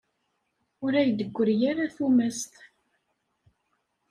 Ur ak-d-teggri ara tumast.